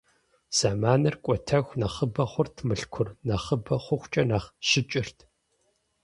Зэманыр кӀуэтэху нэхъыбэ хъурт Мылъкур, нэхъыбэ хъухукӀэ нэхъ щыкӀырт.